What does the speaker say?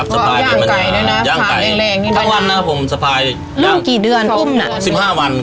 สะพายเป็นปัญหา